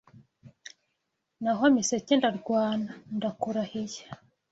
Naho Miseke ndarwana ndakurahiye